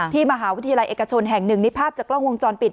มหาวิทยาลัยเอกชนแห่งหนึ่งนี่ภาพจากกล้องวงจรปิด